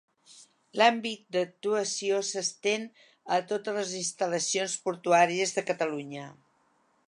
L'àmbit d'actuació s'estén a totes les instal·lacions portuàries de Catalunya.